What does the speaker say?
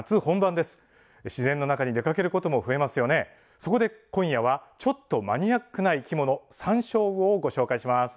そこで今夜はちょっとマニアックな生き物サンショウウオをご紹介します。